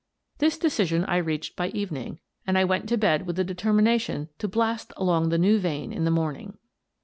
This decision I reached by evening, and I went to bed with the determination to blast along the new vein in the morning.